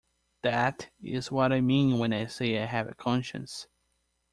That is what I mean when I say I have a conscience.